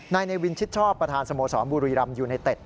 ในเนวินชิดชอบประธานสโมสรบุรีรำยูไนเต็ด